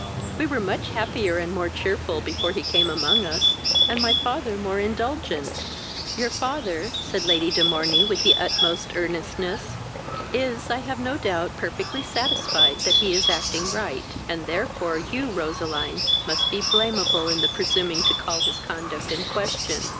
We were much happier and more cheerful before he came among us, and my father more indulgent." "Your father (said Lady de Morney, with the utmost earnestness) is, I have no doubt, perfectly satisfied that he is acting right, and therefore you, Roseline, must be blameable in the presuming to call his conduct in question.